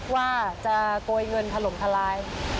ว่าจะโกยเงินถล่มทลาย